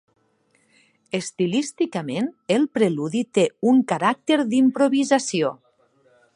Estilísticament, el preludi té un caràcter d'improvisació.